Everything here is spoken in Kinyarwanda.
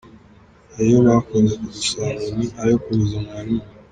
Ayo bakunze kudusaba ngo ni ayo kuvuza mwarimu.